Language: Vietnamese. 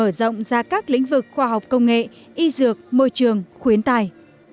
mở rộng ra các lĩnh vực khoa học công nghệ y dược môi trường khuyến tài